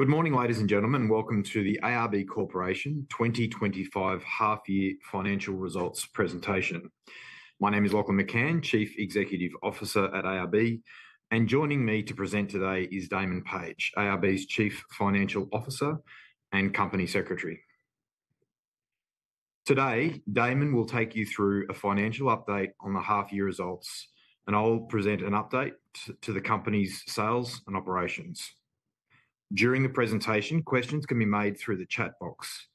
Good morning, ladies and gentlemen. Welcome to the ARB Corporation 2025 Half-Year Financial Results Presentation. My name is Lachlan McCann, Chief Executive Officer at ARB, and joining me to present today is Damon Page, ARB's Chief Financial Officer and Company Secretary. Today, Damon will take you through a financial update on the half-year results, and I'll present an update to the company's sales and operations. During the presentation, questions can be made through the chat box.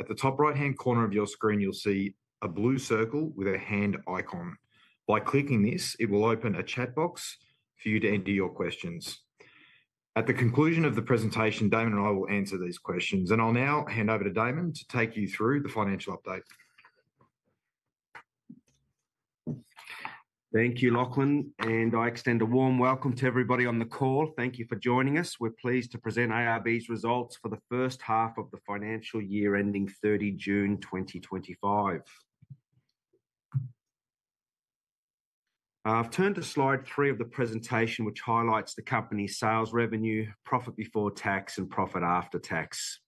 At the top right-hand corner of your screen, you'll see a blue circle with a hand icon. By clicking this, it will open a chat box for you to enter your questions. At the conclusion of the presentation, Damon and I will answer these questions, and I'll now hand over to Damon to take you through the financial update. Thank you, Lachlan, and I extend a warm welcome to everybody on the call. Thank you for joining. We're pleased to present ARB's Results for the First half of the financial year ending 30 June 2025. I've turned to slide three of the presentation, which highlights the company's sales revenue, profit before tax, and profit after tax.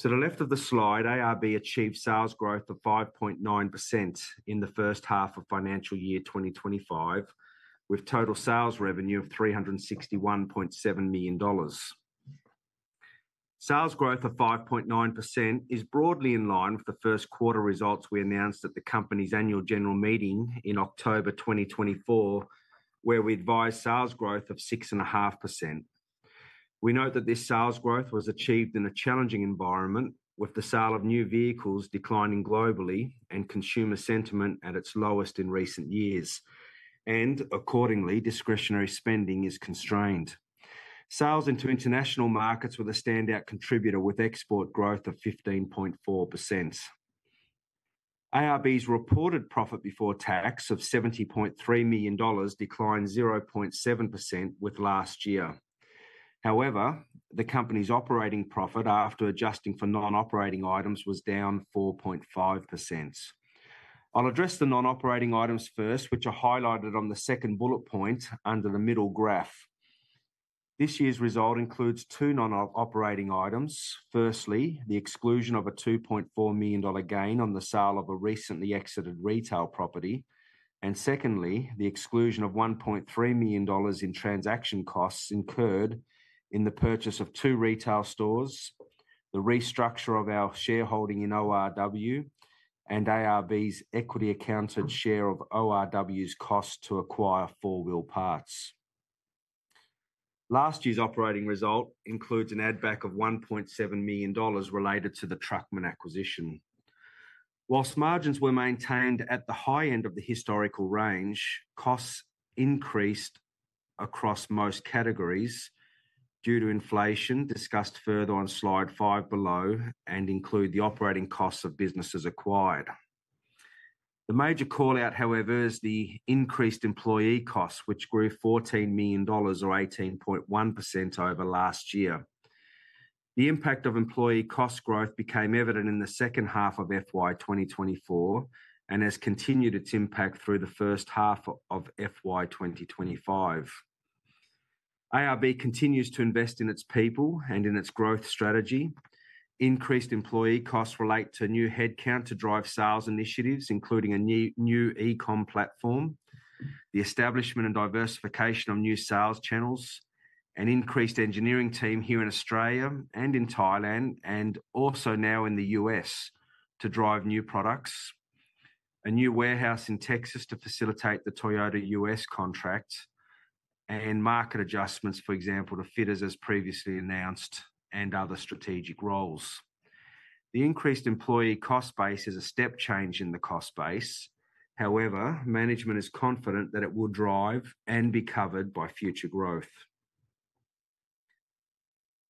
To the left of the slide, ARB achieved sales growth of 5.9% in the first half of financial year 2025, with total sales revenue of 361.7 million dollars. Sales growth of 5.9% is broadly in line with the first quarter results we announced at the company's annual general meeting in October 2024, where we advised sales growth of 6.5%. We note that this sales growth was achieved in a challenging environment, with the sale of new vehicles declining globally and consumer sentiment at its lowest in recent years, and accordingly, discretionary spending is constrained. Sales into international markets were the standout contributor, with export growth of 15.4%. ARB's reported profit before tax of 70.3 million dollars declined 0.7% with last year. However, the company's operating profit after adjusting for non-operating items was down 4.5%. I'll address the non-operating items first, which are highlighted on the second bullet point under the middle graph. This year's result includes two non-operating items. Firstly, the exclusion of a 2.4 million dollar gain on the sale of a recently exited retail property. And secondly, the exclusion of 1.3 million dollars in transaction costs incurred in the purchase of two retail stores, the restructure of our shareholding in ORW, and ARB's equity-accounted share of ORW's cost to acquire 4 Wheel Parts. Last year's operating result includes an add-back of 1.7 million dollars related to the Truckman acquisition. While margins were maintained at the high end of the historical range, costs increased across most categories due to inflation discussed further on slide five below and include the operating costs of businesses acquired. The major callout, however, is the increased employee costs, which grew 14 million dollars or 18.1% over last year. The impact of employee cost growth became evident in the second half of FY 2024 and has continued its impact through the first half of FY 2025. ARB continues to invest in its people and in its growth strategy. Increased employee costs relate to new headcount to drive sales initiatives, including a new e-comm platform, the establishment and diversification of new sales channels, an increased engineering team here in Australia and in Thailand, and also now in the U.S. to drive new products, a new warehouse in Texas to facilitate the Toyota U.S. contract, and market adjustments, for example, to fitters as previously announced and other strategic roles. The increased employee cost base is a step change in the cost base. However, management is confident that it will drive and be covered by future growth.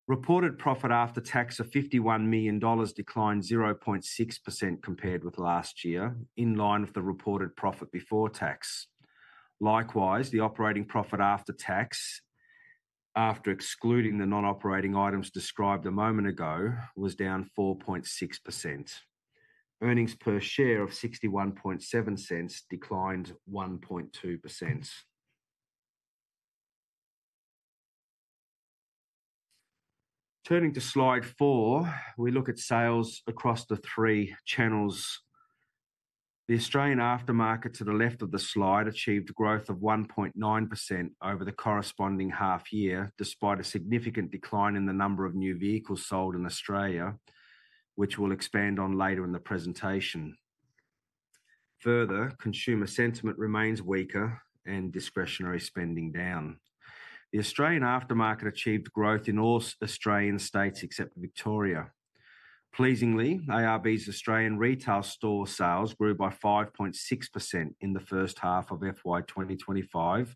Reported profit after tax of 51 million dollars declined 0.6% compared with last year, in line with the reported profit before tax. Likewise, the operating profit after tax, after excluding the non-operating items described a moment ago, was down 4.6%. Earnings per share of 0.61 declined 1.2%. Turning to slide four, we look at sales across the three channels. The Australian aftermarket to the left of the slide achieved growth of 1.9% over the corresponding half year, despite a significant decline in the number of new vehicles sold in Australia, which we'll expand on later in the presentation. Further, consumer sentiment remains weaker and discretionary spending down. The Australian aftermarket achieved growth in all Australian states except Victoria. Pleasingly, ARB's Australian retail store sales grew by 5.6% in the first half of FY 2025,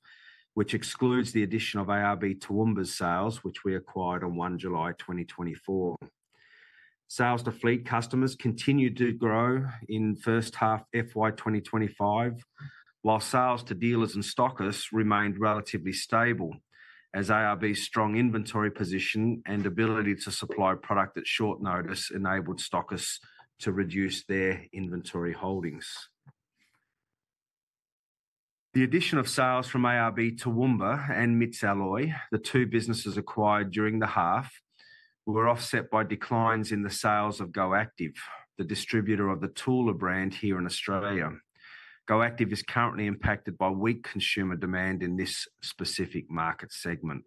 which excludes the addition of ARB Toowoomba's sales, which we acquired on 1 July 2024. Sales to fleet customers continued to grow in first half FY 2025, while sales to dealers and stockists remained relatively stable, as ARB's strong inventory position and ability to supply product at short notice enabled stockists to reduce their inventory holdings. The addition of sales from ARB Toowoomba and MITS Alloy, the two businesses acquired during the half, were offset by declines in the sales of GoActive, the distributor of the Thule brand here in Australia. GoActive is currently impacted by weak consumer demand in this specific market segment.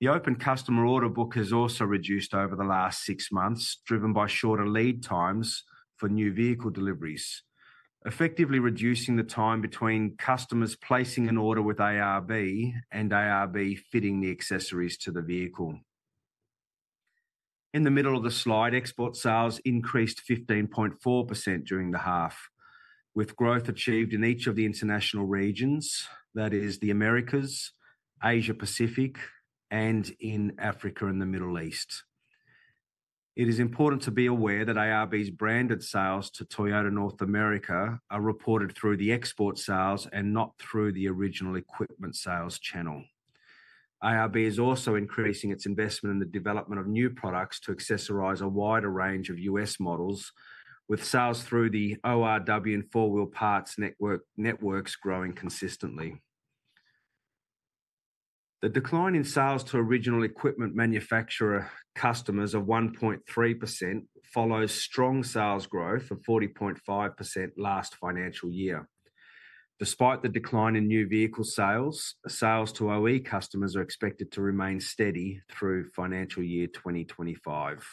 The open customer order book has also reduced over the last six months, driven by shorter lead times for new vehicle deliveries, effectively reducing the time between customers placing an order with ARB and ARB fitting the accessories to the vehicle. In the middle of the slide, export sales increased 15.4% during the half, with growth achieved in each of the international regions, that is, the Americas, Asia Pacific, and in Africa and the Middle East. It is important to be aware that ARB's branded sales to Toyota North America are reported through the export sales and not through the original equipment sales channel. ARB is also increasing its investment in the development of new products to accessorize a wider range of U.S. models, with sales through the ORW and 4 Wheel Parts networks growing consistently. The decline in sales to original equipment manufacturer customers of 1.3% follows strong sales growth of 40.5% last financial year. Despite the decline in new vehicle sales, sales to OE customers are expected to remain steady through financial year 2025.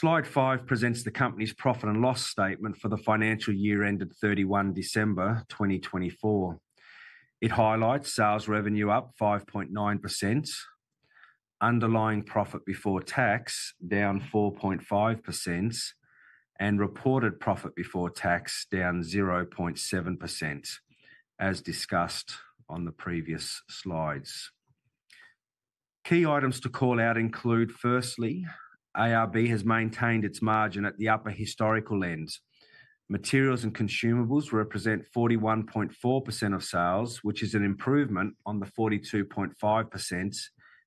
Slide five presents the company's profit and loss statement for the financial year ended 31 December 2024. It highlights sales revenue up 5.9%, underlying profit before tax down 4.5%, and reported profit before tax down 0.7%, as discussed on the previous slides. Key items to call out include: firstly, ARB has maintained its margin at the upper historical end. Materials and consumables represent 41.4% of sales, which is an improvement on the 42.5%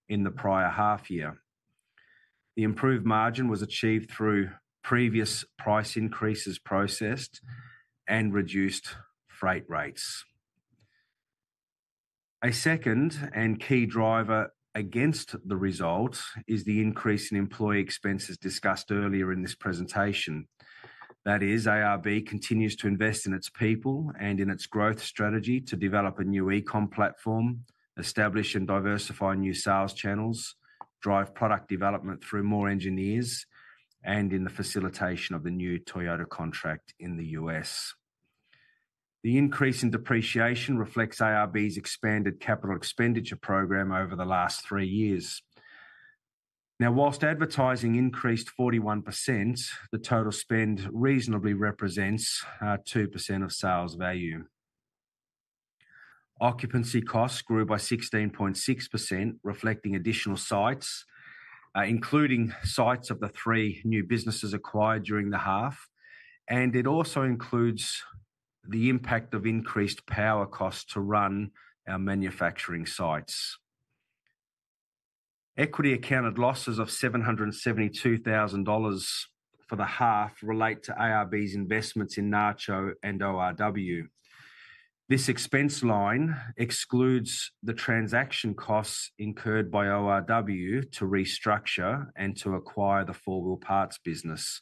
in the prior half year. The improved margin was achieved through previous price increases processed and reduced freight rates. A second and key driver against the result is the increase in employee expenses discussed earlier in this presentation. That is, ARB continues to invest in its people and in its growth strategy to develop a new e-comm platform, establish and diversify new sales channels, drive product development through more engineers, and in the facilitation of the new Toyota contract in the U.S. The increase in depreciation reflects ARB's expanded capital expenditure program over the last three years. Now, while advertising increased 41%, the total spend reasonably represents 2% of sales value. Occupancy costs grew by 16.6%, reflecting additional sites, including sites of the three new businesses acquired during the half, and it also includes the impact of increased power costs to run our manufacturing sites. Equity-accounted losses of 772,000 dollars for the half relate to ARB's investments in Nacho and ORW. This expense line excludes the transaction costs incurred by ORW to restructure and to acquire the 4 Wheel Parts business,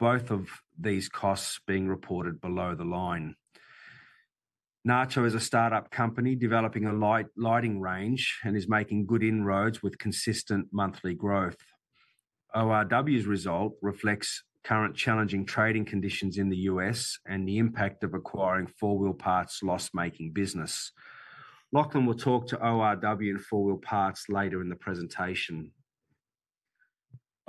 both of these costs being reported below the line. Nacho is a startup company developing a lighting range and is making good inroads with consistent monthly growth. ORW's result reflects current challenging trading conditions in the U.S. and the impact of acquiring 4 Wheel Parts loss-making business. Lachlan will talk to ORW and 4 Wheel Parts later in the presentation.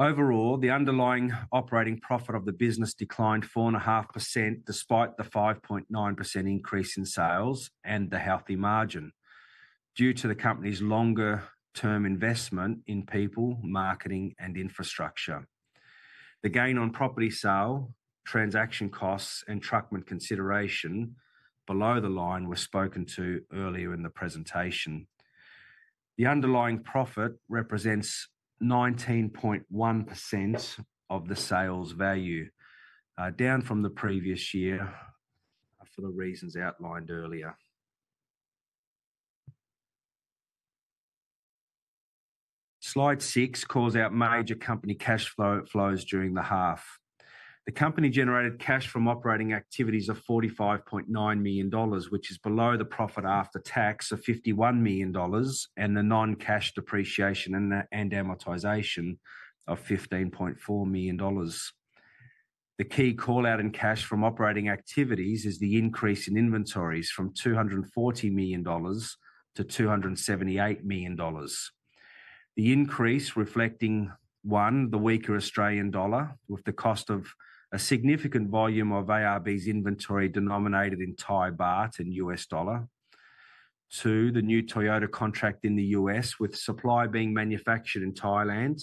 Overall, the underlying operating profit of the business declined 4.5% despite the 5.9% increase in sales and the healthy margin due to the company's longer-term investment in people, marketing, and infrastructure. The gain on property sale, transaction costs, and Truckman consideration below the line were spoken to earlier in the presentation. The underlying profit represents 19.1% of the sales value, down from the previous year for the reasons outlined earlier. Slide six calls out major company cash flows during the half. The company generated cash from operating activities of 45.9 million dollars, which is below the profit after tax of 51 million dollars, and the non-cash depreciation and amortization of 15.4 million dollars. The key callout in cash from operating activities is the increase in inventories from 240 million dollars to 278 million dollars. The increase reflecting, one, the weaker Australian dollar with the cost of a significant volume of ARB's inventory denominated in Thai baht and U.S. dollar, two, the new Toyota contract in the U.S. with supply being manufactured in Thailand,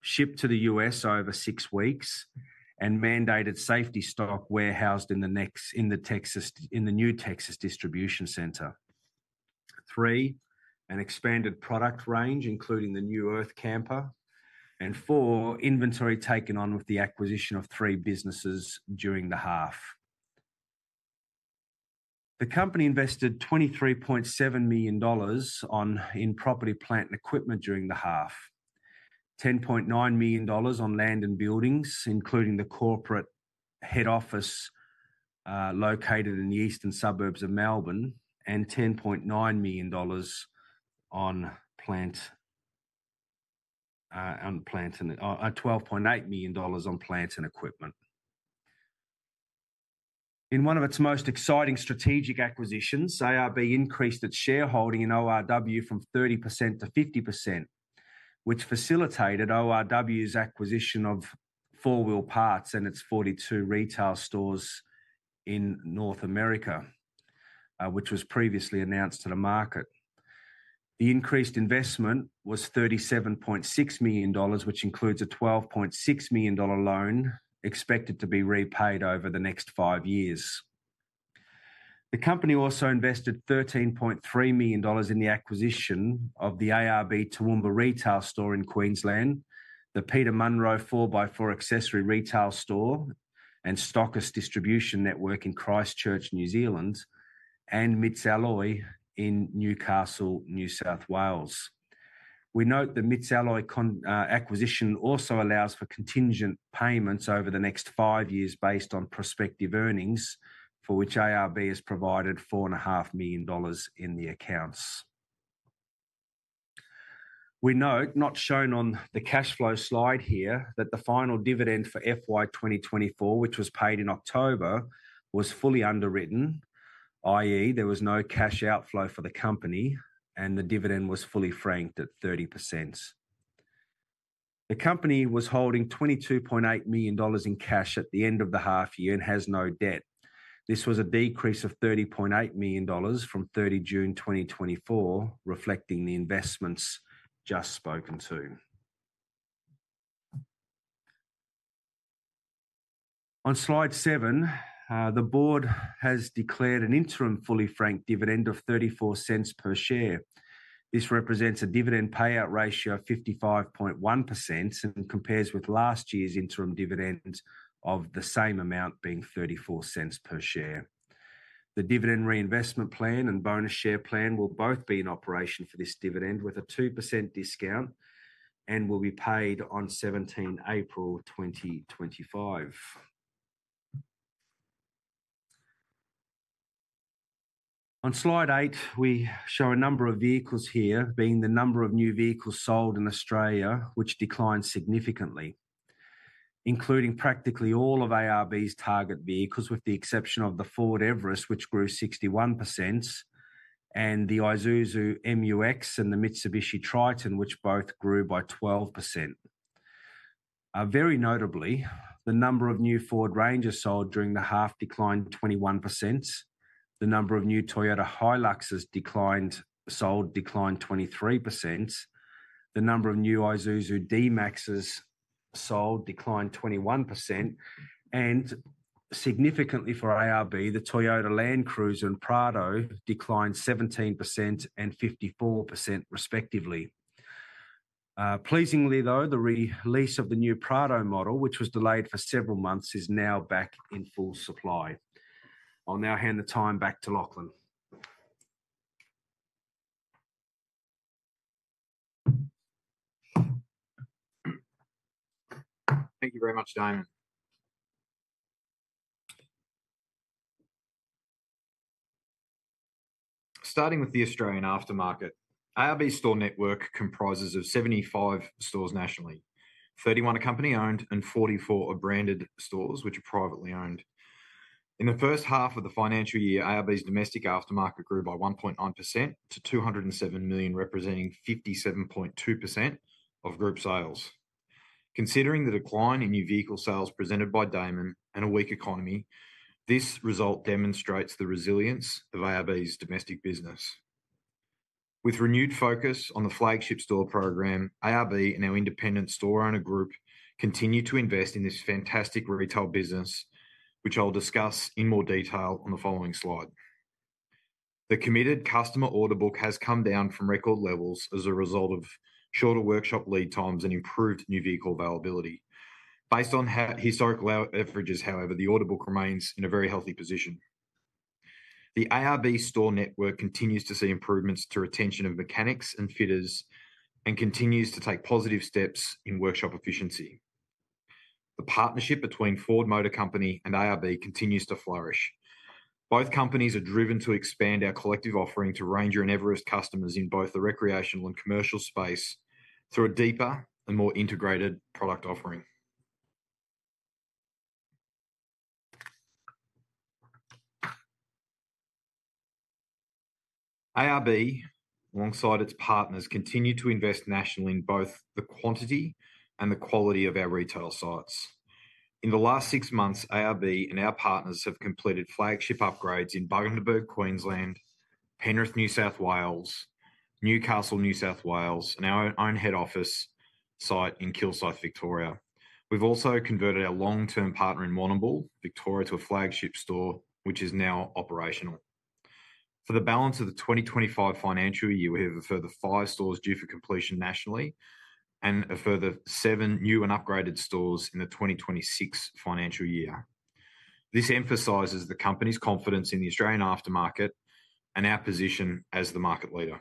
shipped to the U.S. over six weeks, and mandated safety stock warehoused in the new Texas distribution center, three, an expanded product range, including the new Earth Camper, and four, inventory taken on with the acquisition of three businesses during the half. The company invested 23.7 million dollars in property, plant, and equipment during the half, 10.9 million dollars on land and buildings, including the corporate head office located in the eastern suburbs of Melbourne, and 10.9 million dollars on plant and 12.8 million dollars on plant and equipment. In one of its most exciting strategic acquisitions, ARB increased its shareholding in ORW from 30% to 50%, which facilitated ORW's acquisition of 4 Wheel Parts and its 42 retail stores in North America, which was previously announced to the market. The increased investment was 37.6 million dollars, which includes a 12.6 million dollar loan expected to be repaid over the next five years. The company also invested AUD 13.3 million in the acquisition of the ARB Toowoomba retail store in Queensland, the Peter Munro 4x4 accessory retail store, and stockist distribution network in Christchurch, New Zealand, and MITS Alloy in Newcastle, New South Wales. We note the MITS Alloy acquisition also allows for contingent payments over the next five years based on prospective earnings, for which ARB has provided 4.5 million dollars in the accounts. We note, not shown on the cash flow slide here, that the final dividend for FY 2024, which was paid in October, was fully underwritten, i.e., there was no cash outflow for the company, and the dividend was fully franked at 30%. The company was holding 22.8 million dollars in cash at the end of the half year and has no debt. This was a decrease of 30.8 million dollars from 30 June 2024, reflecting the investments just spoken to. On slide seven, the board has declared an interim fully franked dividend of 0.34 per share. This represents a dividend payout ratio of 55.1% and compares with last year's interim dividend of the same amount being 0.34 per share. The dividend reinvestment plan and bonus share plan will both be in operation for this dividend with a 2% discount and will be paid on 17 April 2025. On slide eight, we show a number of vehicles here, being the number of new vehicles sold in Australia, which declined significantly, including practically all of ARB's target vehicles, with the exception of the Ford Everest, which grew 61%, and the Isuzu MU-X and the Mitsubishi Triton, which both grew by 12%. Very notably, the number of new Ford Rangers sold during the half declined 21%, the number of new Toyota HiLuxes sold declined 23%, the number of new Isuzu D-MAXs sold declined 21%, and significantly for ARB, the Toyota LandCruiser and Prado declined 17% and 54%, respectively. Pleasingly, though, the release of the new Prado model, which was delayed for several months, is now back in full supply. I'll now hand the time back to Lachlan. Thank you very much, Damon. Starting with the Australian aftermarket, ARB's store network comprises of 75 stores nationally, 31 company-owned and 44 branded stores which are privately owned. In the first half of the financial year, ARB's domestic aftermarket grew by 1.9% to 207 million, representing 57.2% of group sales. Considering the decline in new vehicle sales presented by Damon and a weak economy, this result demonstrates the resilience of ARB's domestic business. With renewed focus on the flagship store program, ARB and our independent store owner group continue to invest in this fantastic retail business, which I'll discuss in more detail on the following slide. The committed customer order book has come down from record levels as a result of shorter workshop lead times and improved new vehicle availability. Based on historical averages, however, the order book remains in a very healthy position. The ARB store network continues to see improvements to retention of mechanics and fitters and continues to take positive steps in workshop efficiency. The partnership between Ford Motor Company and ARB continues to flourish. Both companies are driven to expand our collective offering to Ranger and Everest customers in both the recreational and commercial space through a deeper and more integrated product offering. ARB, alongside its partners, continue to invest nationally in both the quantity and the quality of our retail sites. In the last six months, ARB and our partners have completed flagship upgrades in Bundaberg, Queensland, Penrith, New South Wales, Newcastle, New South Wales, and our own head office site in Kilsyth, Victoria. We've also converted our long-term partner in Warrnambool, Victoria, to a flagship store, which is now operational. For the balance of the 2025 financial year, we have a further five stores due for completion nationally and a further seven new and upgraded stores in the 2026 financial year. This emphasizes the company's confidence in the Australian aftermarket and our position as the market leader.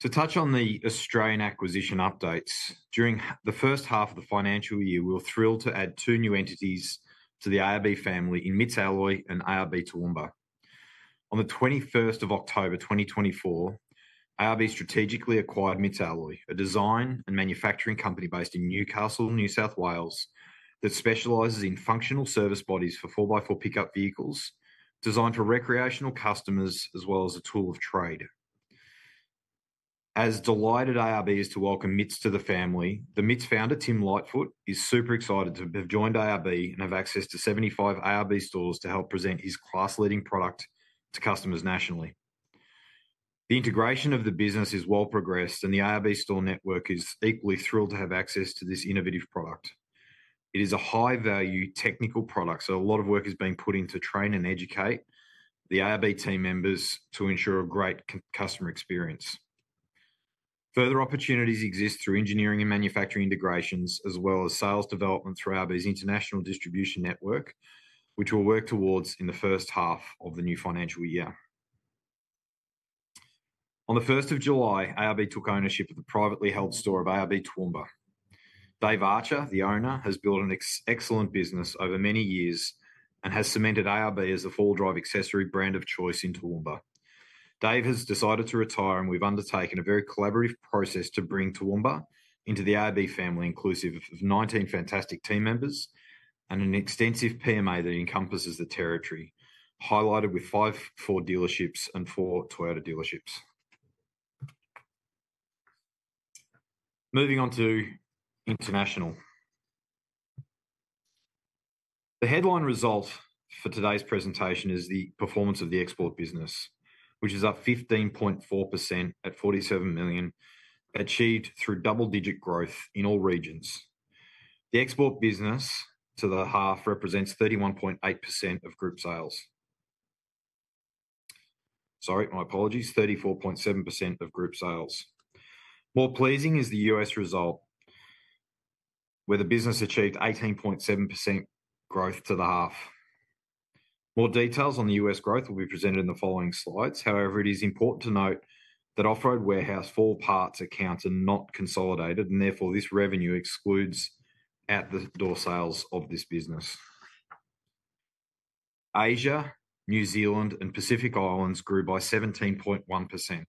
To touch on the Australian acquisition updates, during the first half of the financial year, we were thrilled to add two new entities to the ARB family in MITS Alloy and ARB Toowoomba. On the 21st of October 2024, ARB strategically acquired MITS Alloy, a design and manufacturing company based in Newcastle, New South Wales, that specializes in functional service bodies for 4x4 pickup vehicles designed for recreational customers as well as a tool of trade. As delighted ARB is to welcome MITS to the family, the MITS founder, Tim Lightfoot, is super excited to have joined ARB and have access to 75 ARB stores to help present his class-leading product to customers nationally. The integration of the business is well progressed, and the ARB store network is equally thrilled to have access to this innovative product. It is a high-value technical product, so a lot of work is being put in to train and educate the ARB team members to ensure a great customer experience. Further opportunities exist through engineering and manufacturing integrations, as well as sales development through ARB's international distribution network, which we'll work towards in the first half of the new financial year. On the 1st of July, ARB took ownership of the privately held store of ARB Toowoomba. Dave Archer, the owner, has built an excellent business over many years and has cemented ARB as the four-wheel drive accessory brand of choice in Toowoomba. Dave has decided to retire, and we've undertaken a very collaborative process to bring Toowoomba into the ARB family, inclusive of 19 fantastic team members and an extensive PMA that encompasses the territory, highlighted with five Ford dealerships and four Toyota dealerships. Moving on to international. The headline result for today's presentation is the performance of the export business, which is up 15.4% at 47 million, achieved through double-digit growth in all regions. The export business to the half represents 31.8% of group sales. Sorry, my apologies, 34.7% of group sales. More pleasing is the U.S. result, where the business achieved 18.7% growth to the half. More details on the U.S. growth will be presented in the following slides. However, it is important to note that Off Road Warehouse, 4 Wheel Parts accounts are not consolidated, and therefore this revenue excludes out-the-door sales of this business. Asia, New Zealand, and Pacific Islands grew by 17.1%.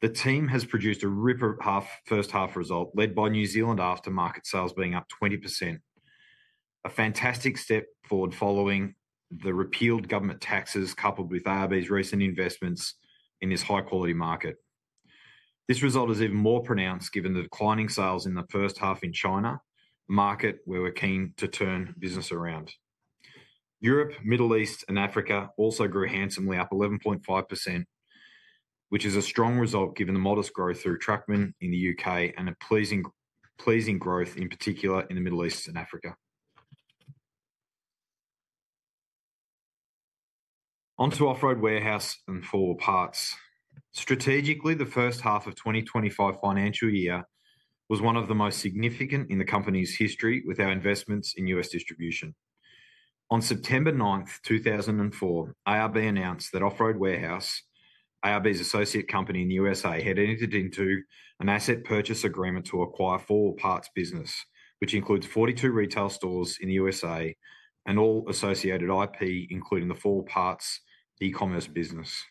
The team has produced a ripper first half result, led by New Zealand aftermarket sales being up 20%, a fantastic step forward following the repealed government taxes coupled with ARB's recent investments in this high-quality market. This result is even more pronounced given the declining sales in the first half in China, a market where we're keen to turn business around. Europe, Middle East, and Africa also grew handsomely up 11.5%, which is a strong result given the modest growth through Truckman in the U.K. and a pleasing growth, in particular, in the Middle East and Africa. Onto Off Road Warehouse and 4 Wheel Parts. Strategically, the first half of 2025 financial year was one of the most significant in the company's history with our investments in U.S. distribution. On September 9th, 2024, ARB announced that Off Road Warehouse, ARB's associate company in the USA, had entered into an asset purchase agreement to acquire 4 Wheel Parts business, which includes 42 retail stores in the USA and all associated IP, including the 4 Wheel Parts e-commerce business.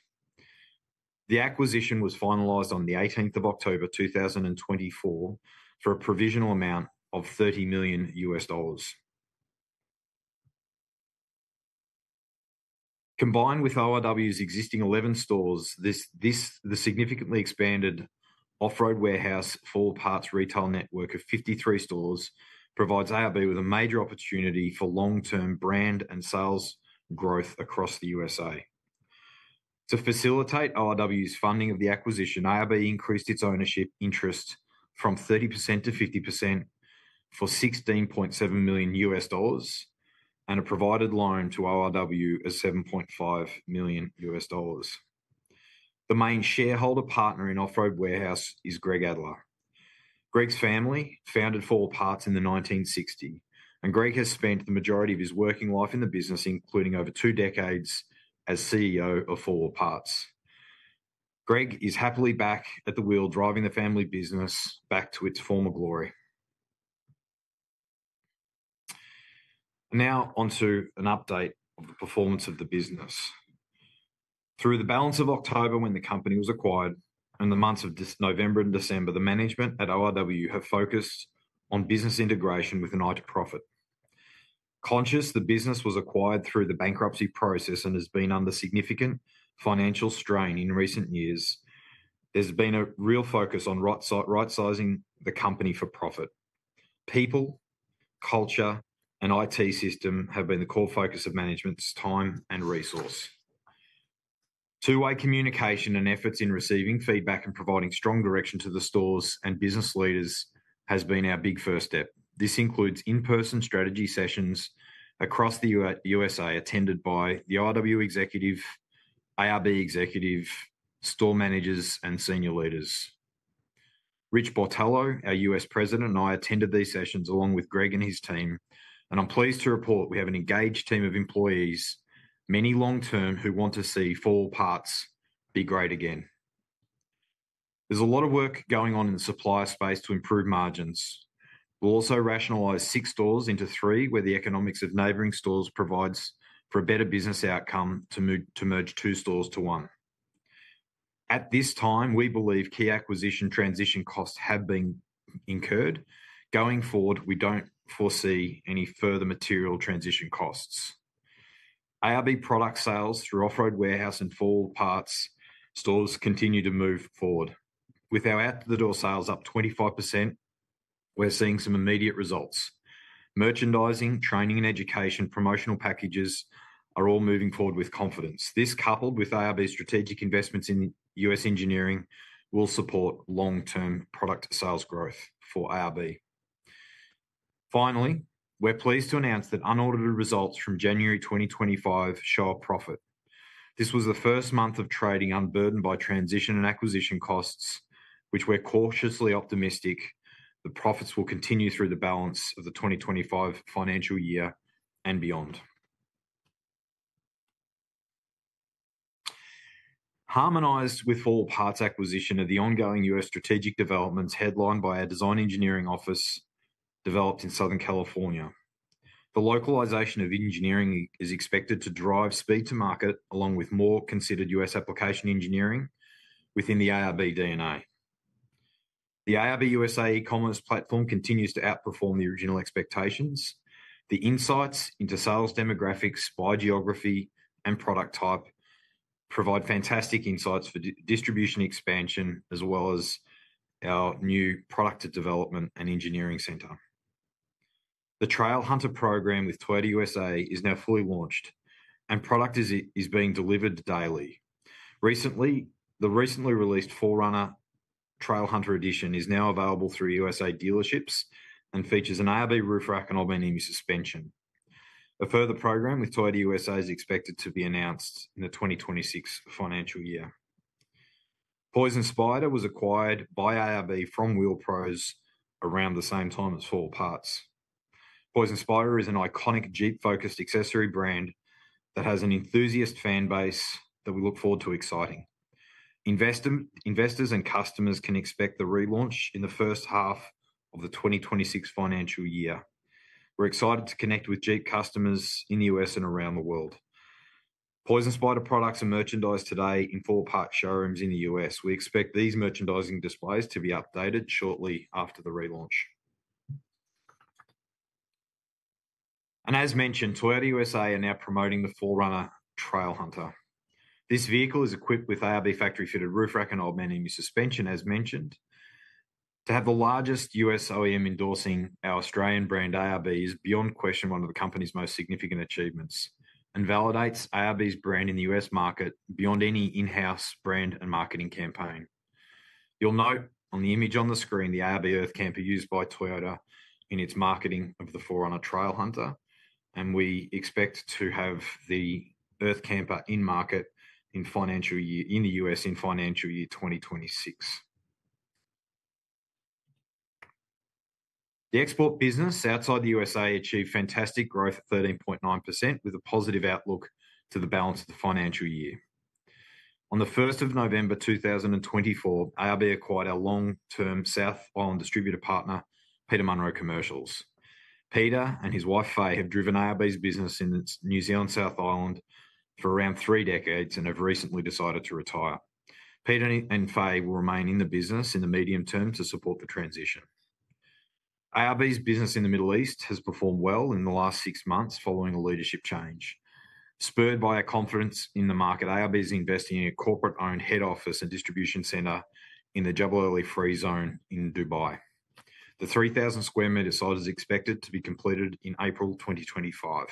The acquisition was finalized on October 18th, 2024 for a provisional amount of $30 million. Combined with ORW's existing 11 stores, the significantly expanded Off Road Warehouse 4 Wheel Parts retail network of 53 stores provides ARB with a major opportunity for long-term brand and sales growth across the U.S.A. To facilitate ORW's funding of the acquisition, ARB increased its ownership interest from 30% to 50% for $16.7 million and provided loan to ORW of $7.5 million. The main shareholder partner in Off Road Warehouse is Greg Adler. Greg's family founded 4 Wheel Parts in the 1960s, and Greg has spent the majority of his working life in the business, including over two decades as CEO of 4 Wheel Parts. Greg is happily back at the wheel, driving the family business back to its former glory. Now onto an update of the performance of the business. Through the balance of October when the company was acquired and the months of November and December, the management at ORW have focused on business integration with an eye to profit. Conscious that the business was acquired through the bankruptcy process and has been under significant financial strain in recent years, there's been a real focus on right-sizing the company for profit. People, culture, and IT systems have been the core focus of management's time and resources. Two-way communication and efforts in receiving feedback and providing strong direction to the stores and business leaders has been our big first step. This includes in-person strategy sessions across the USA attended by the ORW executive, ARB executive, store managers, and senior leaders. Rich Botello, our U.S. president, and I attended these sessions along with Greg and his team, and I'm pleased to report we have an engaged team of employees, many long-term, who want to see 4 Wheel Parts be great again. There's a lot of work going on in the supply space to improve margins. We'll also rationalize six stores into three, where the economics of neighboring stores provides for a better business outcome to merge two stores to one. At this time, we believe key acquisition transition costs have been incurred. Going forward, we don't foresee any further material transition costs. ARB product sales through Off Road Warehouse and 4 Wheel Parts stores continue to move forward. With our out-of-the-door sales up 25%, we're seeing some immediate results. Merchandising, training, and education promotional packages are all moving forward with confidence. This, coupled with ARB's strategic investments in U.S. engineering, will support long-term product sales growth for ARB. Finally, we're pleased to announce that unaudited results from January 2025 show our profit. This was the first month of trading unburdened by transition and acquisition costs, which we're cautiously optimistic the profits will continue through the balance of the 2025 financial year and beyond. Harmonized with 4 Wheel Parts acquisition are the ongoing U.S. strategic developments headlined by our design engineering office developed in Southern California. The localization of engineering is expected to drive speed to market along with more considered U.S. application engineering within the ARB DNA. The ARB USA e-commerce platform continues to outperform the original expectations. The insights into sales demographics, buyer geography, and product type provide fantastic insights for distribution expansion as well as our new product development and engineering center. The Trailhunter program with Toyota USA is now fully launched, and product is being delivered daily. Recently, the recently released 4Runner Trailhunter edition is now available through U.S.A. dealerships and features an ARB roof rack and Old Man Emu suspension. A further program with Toyota USA is expected to be announced in the 2026 financial year. Poison Spyder was acquired by ARB from Wheel Pros around the same time as 4 Wheel Parts. Poison Spyder is an iconic Jeep-focused accessory brand that has an enthusiast fan base that we look forward to exciting. Investors and customers can expect the relaunch in the first half of the 2026 financial year. We're excited to connect with Jeep customers in the U.S. and around the world. Poison Spyder products and merchandise today in 4 Wheel Parts showrooms in the U.S. We expect these merchandising displays to be updated shortly after the relaunch. As mentioned, Toyota USA are now promoting the 4Runner Trailhunter. This vehicle is equipped with ARB factory-fitted roof rack and ARB rear end suspension, as mentioned. To have the largest U.S. OEM endorsing our Australian brand ARB is beyond question one of the company's most significant achievements and validates ARB's brand in the U.S. market beyond any in-house brand and marketing campaign. You'll note on the image on the screen the ARB Earth Camper used by Toyota in its marketing of the 4Runner Trailhunter, and we expect to have the Earth Camper in market in the U.S. in financial year 2026. The export business outside the U.S.A. achieved fantastic growth at 13.9% with a positive outlook to the balance of the financial year. On the 1st of November 2024, ARB acquired our long-term South Island distributor partner, Peter Munro Commercials. Peter and his wife, Faye, have driven ARB's business in New Zealand, South Island, for around three decades and have recently decided to retire. Peter and Faye will remain in the business in the medium term to support the transition. ARB's business in the Middle East has performed well in the last six months following a leadership change. Spurred by our confidence in the market, ARB is investing in a corporate-owned head office and distribution center in the Jebel Ali Free Zone in Dubai. The 3,000 sq m site is expected to be completed in April 2025,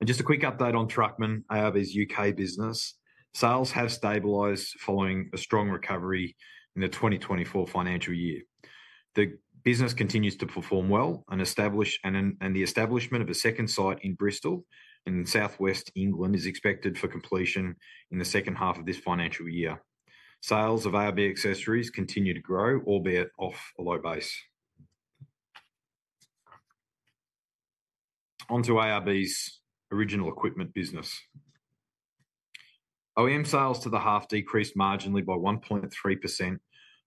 and just a quick update on Truckman, ARB's U.K. business. Sales have stabilized following a strong recovery in the 2024 financial year. The business continues to perform well and the establishment of a second site in Bristol in Southwest England is expected for completion in the second half of this financial year. Sales of ARB accessories continue to grow, albeit off a low base. Onto ARB's original equipment business. OEM sales to the half decreased marginally by 1.3%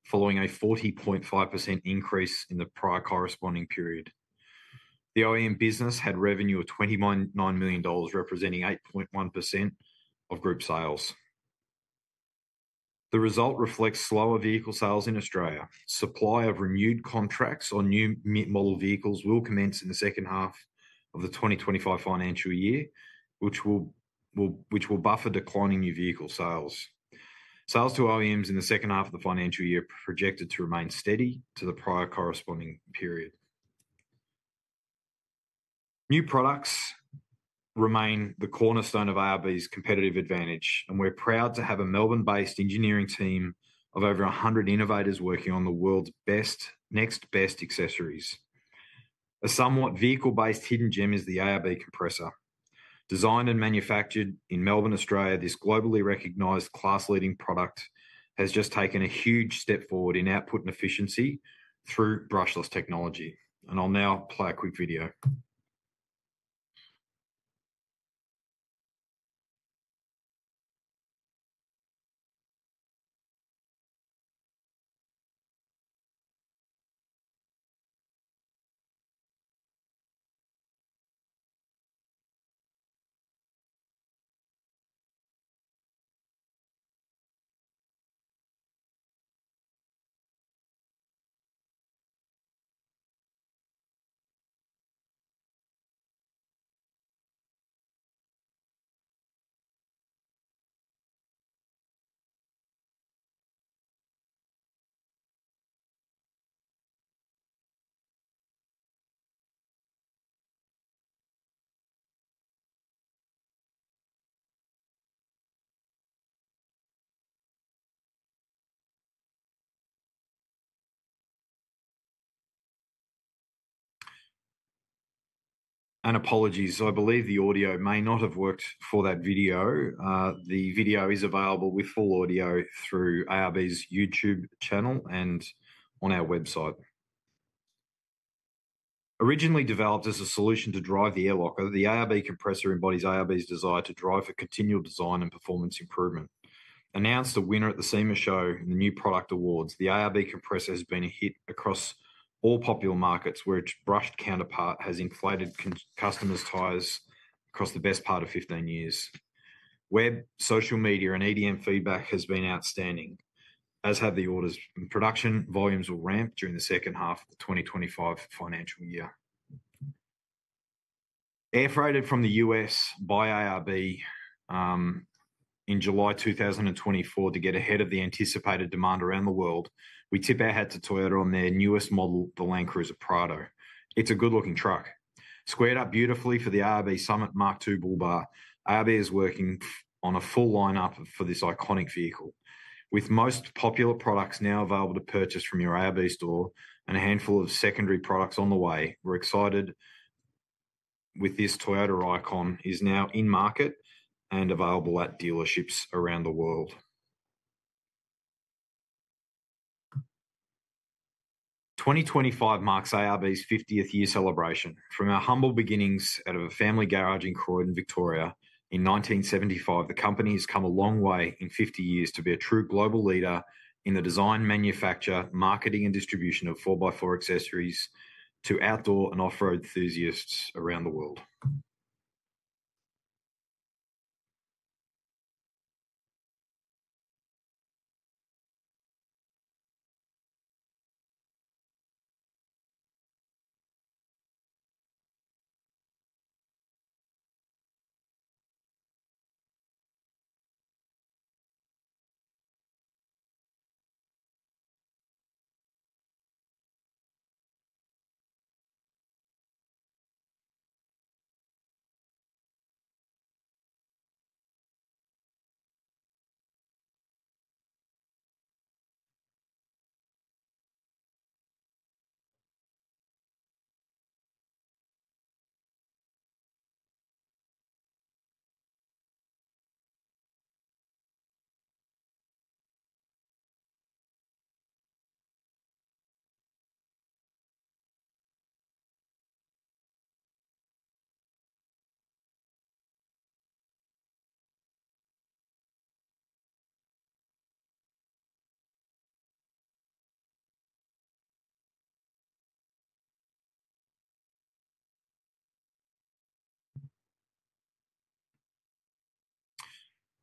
following a 40.5% increase in the prior corresponding period. The OEM business had revenue of 29 million dollars representing 8.1% of group sales. The result reflects slower vehicle sales in Australia. Supply of renewed contracts on new model vehicles will commence in the second half of the 2025 financial year, which will buffer declining new vehicle sales. Sales to OEMs in the second half of the financial year are projected to remain steady to the prior corresponding period. New products remain the cornerstone of ARB's competitive advantage, and we're proud to have a Melbourne-based engineering team of over 100 innovators working on the world's next best accessories. A somewhat vehicle-based hidden gem is the ARB Compressor. Designed and manufactured in Melbourne, Australia, this globally recognized class-leading product has just taken a huge step forward in output and efficiency through brushless technology. I'll now play a quick video. Apologies. I believe the audio may not have worked for that video. The video is available with full audio through ARB's YouTube channel and on our website. Originally developed as a solution to drive the Air Locker, the ARB Compressor embodies ARB's desire to drive for continual design and performance improvement. Announced a winner at the SEMA Show and the new product awards, the ARB Compressor has been a hit across all popular markets, where its brushed counterpart has inflated customers' tires across the best part of 15 years. Web, social media, and EDM feedback has been outstanding, as have the orders. Production volumes will ramp during the second half of the 2025 financial year. Air freighted from the U.S. by ARB in July 2024 to get ahead of the anticipated demand around the world, we tip our hat to Toyota on their newest model, the Land Cruiser Prado. It's a good-looking truck. Squared up beautifully for the ARB Summit MKII Bull Bar, ARB is working on a full lineup for this iconic vehicle. With most popular products now available to purchase from your ARB store and a handful of secondary products on the way, we're excited with this Toyota icon that is now in market and available at dealerships around the world. 2025 marks ARB's 50th year celebration. From our humble beginnings at a family garage in Croydon, Victoria, in 1975, the company has come a long way in 50 years to be a true global leader in the design, manufacture, marketing, and distribution of 4x4 accessories to outdoor and off-road enthusiasts around the world.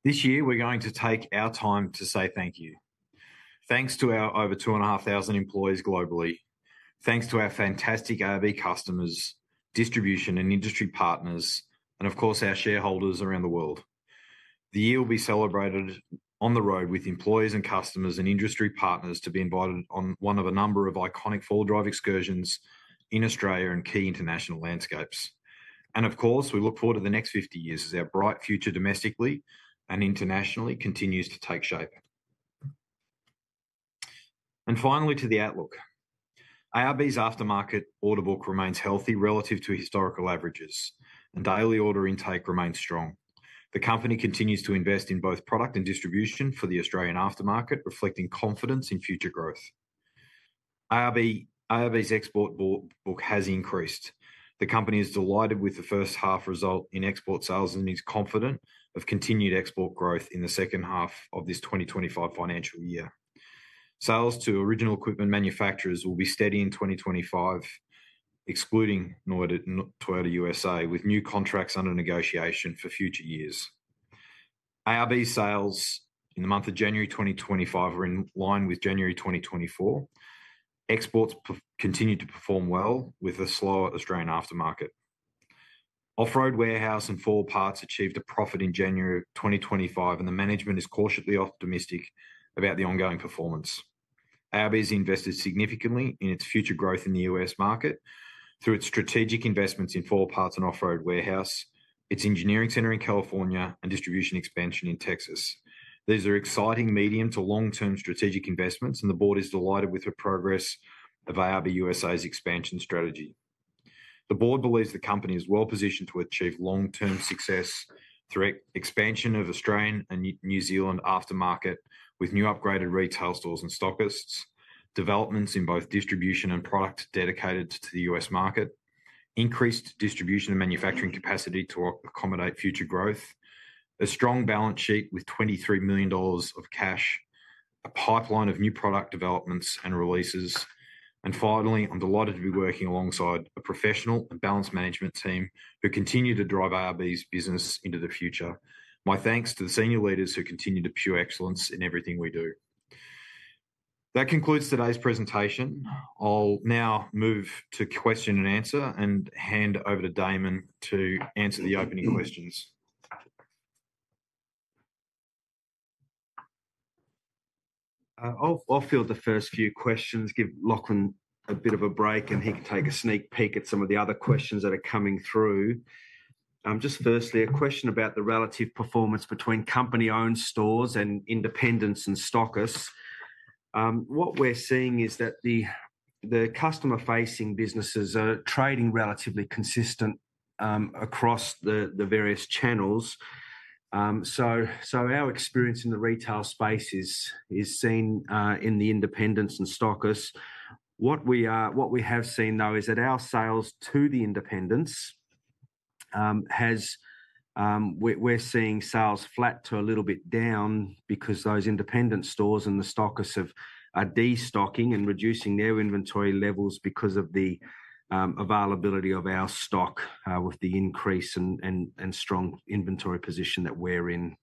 This year, we're going to take our time to say thank you. Thanks to our over 2,500 employees globally. Thanks to our fantastic ARB customers, distribution and industry partners, and of course, our shareholders around the world. The year will be celebrated on the road with employees and customers and industry partners to be invited on one of a number of iconic four-wheel drive excursions in Australia and key international landscapes. Of course, we look forward to the next 50 years as our bright future domestically and internationally continues to take shape. Finally, to the outlook. ARB's aftermarket order book remains healthy relative to historical averages, and daily order intake remains strong. The company continues to invest in both product and distribution for the Australian aftermarket, reflecting confidence in future growth. ARB's export book has increased. The company is delighted with the first half result in export sales and is confident of continued export growth in the second half of this 2025 financial year. Sales to original equipment manufacturers will be steady in 2025, excluding Toyota USA, with new contracts under negotiation for future years. ARB's sales in the month of January 2025 are in line with January 2024. Exports continue to perform well with a slower Australian aftermarket. Off Road Warehouse and 4 Wheel Parts achieved a profit in January 2025, and the management is cautiously optimistic about the ongoing performance. ARB has invested significantly in its future growth in the U.S. market through its strategic investments in 4 Wheel Parts and Off Road Warehouse, its engineering center in California, and distribution expansion in Texas. These are exciting medium to long-term strategic investments, and the board is delighted with the progress of ARB USA's expansion strategy. The board believes the company is well positioned to achieve long-term success through expansion of Australian and New Zealand aftermarket with new upgraded retail stores and stockists, developments in both distribution and product dedicated to the U.S. market, increased distribution and manufacturing capacity to accommodate future growth, a strong balance sheet with 23 million dollars of cash, a pipeline of new product developments and releases. And finally, I'm delighted to be working alongside a professional and balanced management team who continue to drive ARB's business into the future. My thanks to the senior leaders who continue to pursue excellence in everything we do. That concludes today's presentation. I'll now move to question and answer and hand over to Damon to answer the opening questions. I'll field the first few questions, give Lachlan a bit of a break, and he can take a sneak peek at some of the other questions that are coming through. Just firstly, a question about the relative performance between company-owned stores and independents and stockists. What we're seeing is that the customer-facing businesses are trading relatively consistent across the various channels. So our experience in the retail space is seen in the independents and stockists. What we have seen, though, is that our sales to the independents; we're seeing sales flat to a little bit down because those independent stores and the stockists are destocking and reducing their inventory levels because of the availability of our stock with the increase and strong inventory position that we're in.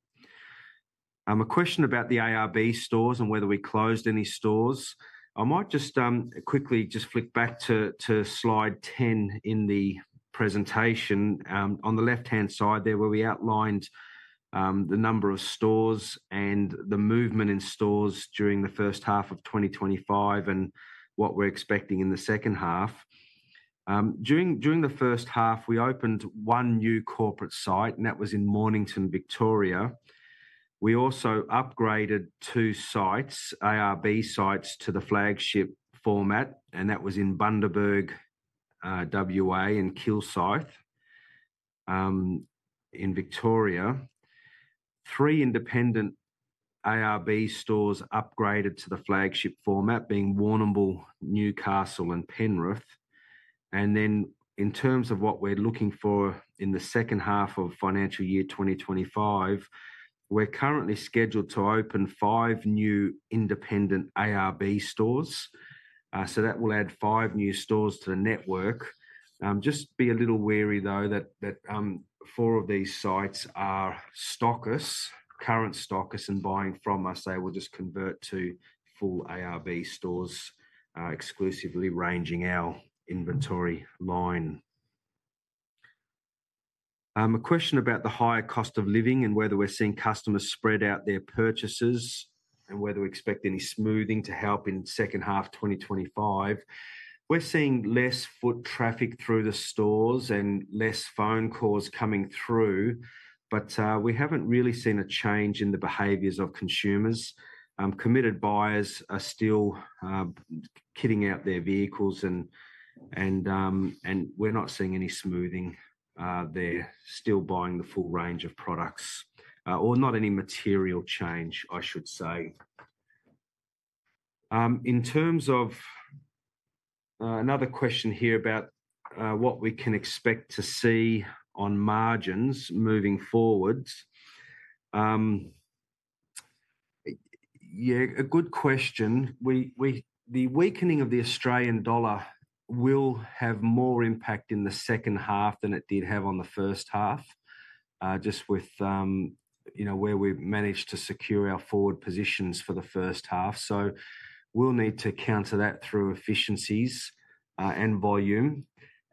A question about the ARB stores and whether we closed any stores. I might just quickly just flick back to slide 10 in the presentation. On the left-hand side there, where we outlined the number of stores and the movement in stores during the first half of 2025 and what we're expecting in the second half. During the first half, we opened one new corporate site, and that was in Mornington, Victoria. We also upgraded two sites, ARB sites to the flagship format, and that was in Bundaberg, Queensland, and Kilsyth in Victoria. Three independent ARB stores upgraded to the flagship format being Warrnambool, Newcastle, and Penrith, and then in terms of what we're looking for in the second half of financial year 2025, we're currently scheduled to open five new independent ARB stores, so that will add five new stores to the network. Just be a little wary, though, that four of these sites are stockists, current stockists and buying from, I say, will just convert to full ARB stores exclusively, ranging our inventory line. A question about the higher cost of living and whether we're seeing customers spread out their purchases and whether we expect any smoothing to help in second half 2025. We're seeing less foot traffic through the stores and less phone calls coming through, but we haven't really seen a change in the behaviors of consumers. Committed buyers are still kitting out their vehicles, and we're not seeing any smoothing. They're still buying the full range of products, or not any material change, I should say. In terms of another question here about what we can expect to see on margins moving forward. Yeah, a good question. The weakening of the Australian dollar will have more impact in the second half than it did have on the first half, just with where we managed to secure our forward positions for the first half. So we'll need to counter that through efficiencies and volume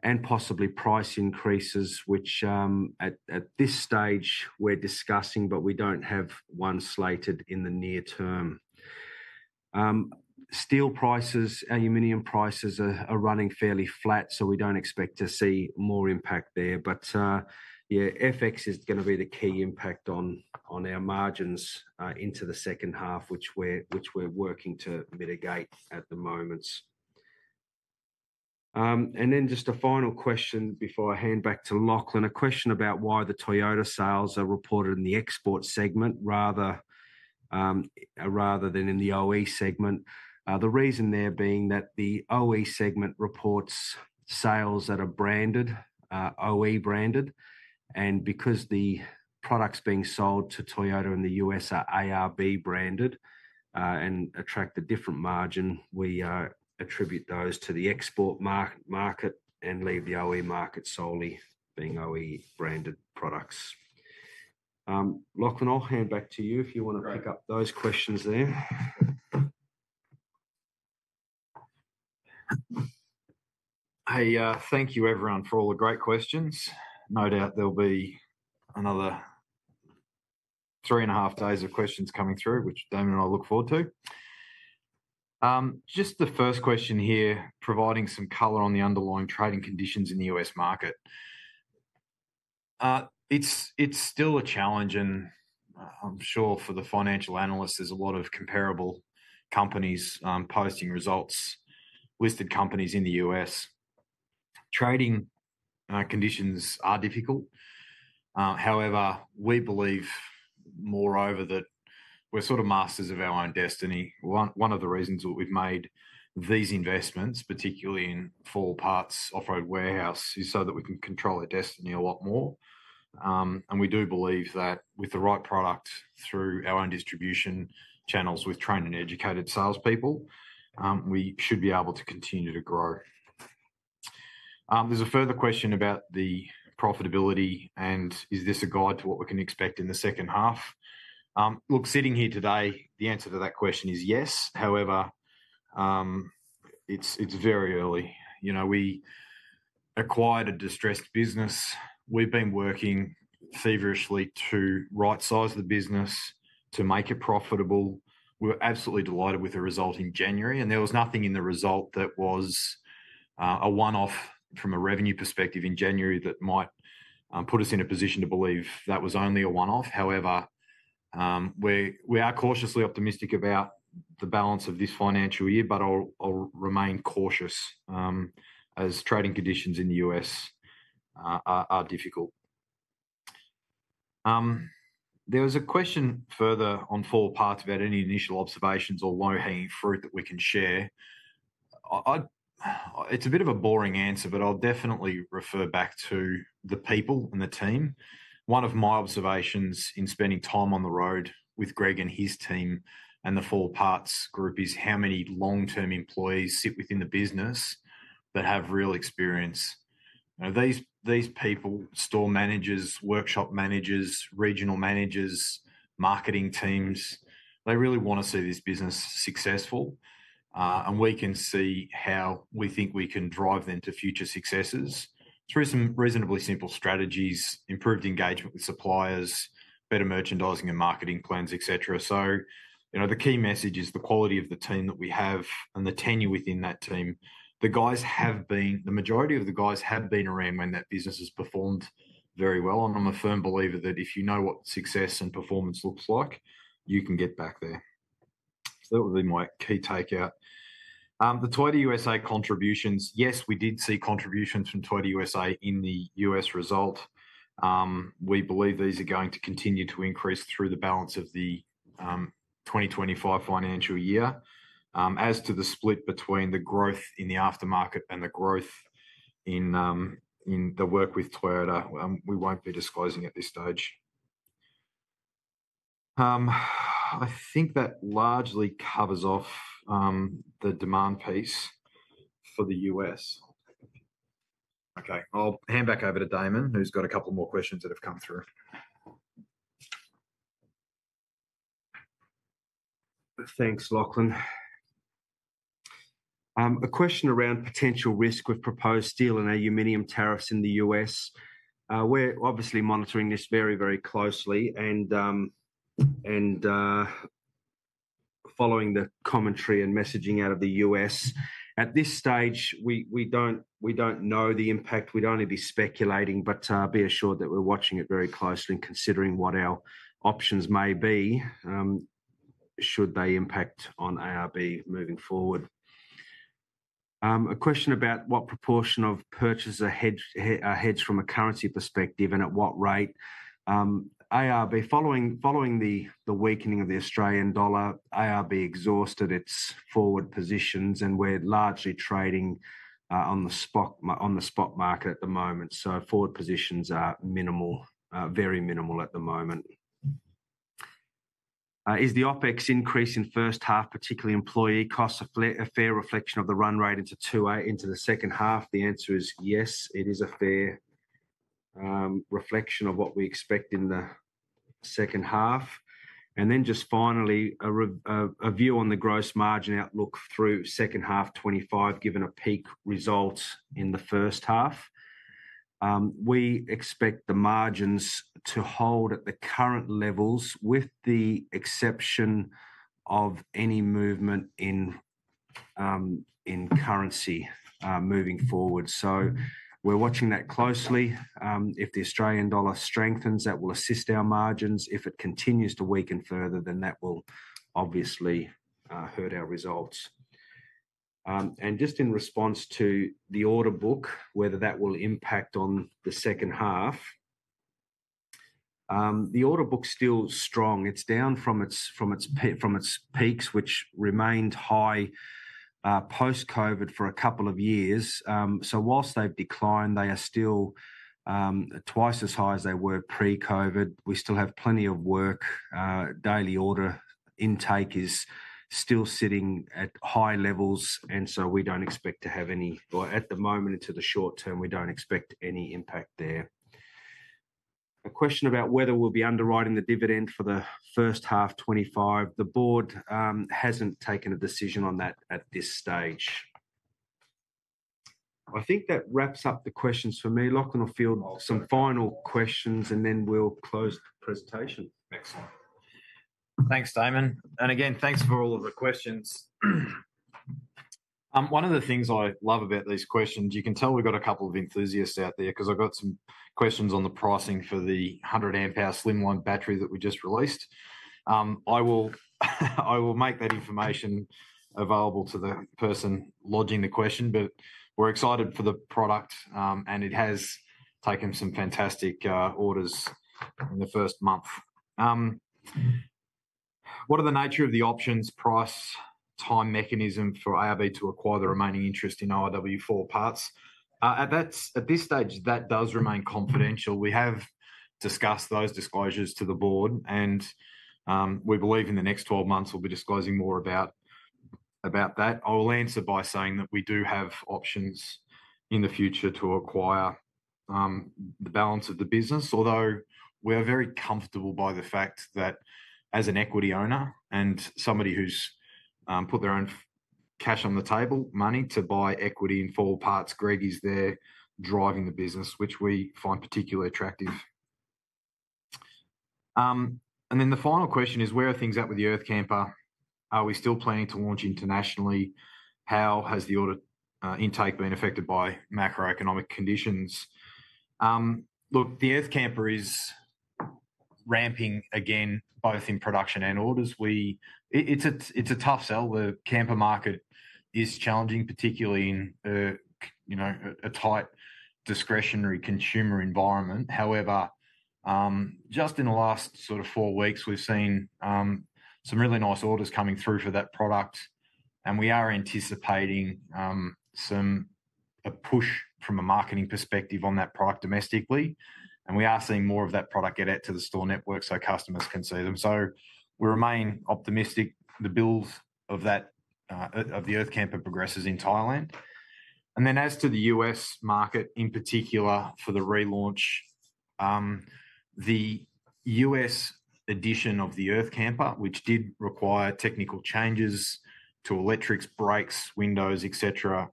and possibly price increases, which at this stage we're discussing, but we don't have one slated in the near term. Steel prices, aluminum prices are running fairly flat, so we don't expect to see more impact there. But yeah, FX is going to be the key impact on our margins into the second half, which we're working to mitigate at the moment. And then just a final question before I hand back to Lachlan, a question about why the Toyota sales are reported in the export segment rather than in the OE segment. The reason there being that the OE segment reports sales that are OE branded, and because the products being sold to Toyota in the U.S. are ARB branded and attract a different margin, we attribute those to the export market and leave the OE market solely being OE branded products. Lachlan, I'll hand back to you if you want to pick up those questions there. Hey, thank you, everyone, for all the great questions. No doubt there'll be another three and a half days of questions coming through, which Damon and I look forward to. Just the first question here, providing some color on the underlying trading conditions in the U.S. market. It's still a challenge, and I'm sure for the financial analysts, there's a lot of comparable companies posting results, listed companies in the U.S. Trading conditions are difficult. However, we believe, moreover, that we're sort of masters of our own destiny. One of the reasons that we've made these investments, particularly in 4 Wheel Parts, Off Road Warehouse, is so that we can control our destiny a lot more, and we do believe that with the right product through our own distribution channels with trained and educated salespeople, we should be able to continue to grow. There's a further question about the profitability, and is this a guide to what we can expect in the second half? Look, sitting here today, the answer to that question is yes. However, it's very early. We acquired a distressed business. We've been working feverishly to right-size the business, to make it profitable. We were absolutely delighted with the result in January, and there was nothing in the result that was a one-off from a revenue perspective in January that might put us in a position to believe that was only a one-off. However, we are cautiously optimistic about the balance of this financial year, but I'll remain cautious as trading conditions in the U.S. are difficult. There was a question further on 4 Wheel Parts about any initial observations or low-hanging fruit that we can share. It's a bit of a boring answer, but I'll definitely refer back to the people and the team. One of my observations in spending time on the road with Greg and his team and the 4 Wheel Parts group is how many long-term employees sit within the business that have real experience. These people, store managers, workshop managers, regional managers, marketing teams, they really want to see this business successful, and we can see how we think we can drive them to future successes through some reasonably simple strategies, improved engagement with suppliers, better merchandising and marketing plans, etc. So the key message is the quality of the team that we have and the tenure within that team. The majority of the guys have been around when that business has performed very well, and I'm a firm believer that if you know what success and performance looks like, you can get back there. So that would be my key takeout. The Toyota USA contributions, yes, we did see contributions from Toyota USA in the U.S. result. We believe these are going to continue to increase through the balance of the 2025 financial year. As to the split between the growth in the aftermarket and the growth in the work with Toyota, we won't be disclosing at this stage. I think that largely covers off the demand piece for the U.S. Okay, I'll hand back over to Damon, who's got a couple more questions that have come through. Thanks, Lachlan. A question around potential risk with proposed steel and aluminum tariffs in the U.S. We're obviously monitoring this very, very closely and following the commentary and messaging out of the U.S. At this stage, we don't know the impact. We'd only be speculating, but be assured that we're watching it very closely and considering what our options may be should they impact on ARB moving forward. A question about what proportion of purchaser heads from a currency perspective and at what rate. ARB, following the weakening of the Australian dollar, ARB exhausted its forward positions, and we're largely trading on the spot market at the moment. So forward positions are minimal, very minimal at the moment. Is the OpEx increase in first half, particularly employee costs, a fair reflection of the run rate into the second half? The answer is yes, it is a fair reflection of what we expect in the second half. And then just finally, a view on the gross margin outlook through second half 2025, given a peak result in the first half. We expect the margins to hold at the current levels with the exception of any movement in currency moving forward. So we're watching that closely. If the Australian dollar strengthens, that will assist our margins. If it continues to weaken further, then that will obviously hurt our results. And just in response to the order book, whether that will impact on the second half. The order book's still strong. It's down from its peaks, which remained high post-COVID for a couple of years. So while they've declined, they are still twice as high as they were pre-COVID. We still have plenty of work. Daily order intake is still sitting at high levels, and so we don't expect to have any, or at the moment, into the short term, we don't expect any impact there. A question about whether we'll be underwriting the dividend for the first half 2025. The board hasn't taken a decision on that at this stage. I think that wraps up the questions for me. Lachlan or fill some final questions, and then we'll close the presentation. Excellent. Thanks, Damon. And again, thanks for all of the questions. One of the things I love about these questions. You can tell we've got a couple of enthusiasts out there because I've got some questions on the pricing for the 100 amp hour slimline battery that we just released. I will make that information available to the person lodging the question, but we're excited for the product, and it has taken some fantastic orders in the first month. What are the nature of the options pricing timeline mechanism for ARB to acquire the remaining interest in our 4 Wheel Parts? At this stage, that does remain confidential. We have discussed those with the board, and we believe in the next 12 months we'll be disclosing more about that. I will answer by saying that we do have options in the future to acquire the balance of the business, although we're very comfortable by the fact that as an equity owner and somebody who's put their own cash on the table, money to buy equity in 4 Wheel Parts, Greg is there driving the business, which we find particularly attractive. And then the final question is, where are things at with the Earth Camper? Are we still planning to launch internationally? How has the order intake been affected by macroeconomic conditions? Look, the Earth Camper is ramping again, both in production and orders. It's a tough sell. The camper market is challenging, particularly in a tight discretionary consumer environment. However, just in the last sort of four weeks, we've seen some really nice orders coming through for that product, and we are anticipating a push from a marketing perspective on that product domestically. And we are seeing more of that product get out to the store network so customers can see them. So we remain optimistic. The build of the Earth Camper progresses in Thailand. And then as to the U.S. market in particular for the relaunch, the U.S. edition of the Earth Camper, which did require technical changes to electrics, brakes, windows, etc.,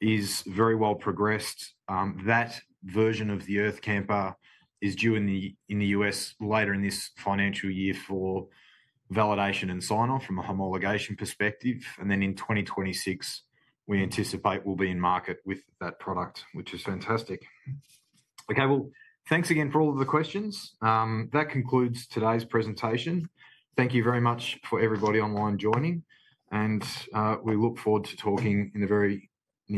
is very well progressed. That version of the Earth Camper is due in the U.S. later in this financial year for validation and sign-off from a homologation perspective. And then in 2026, we anticipate we'll be in market with that product, which is fantastic. Okay, well, thanks again for all of the questions. That concludes today's presentation. Thank you very much for everybody online joining, and we look forward to talking in the very.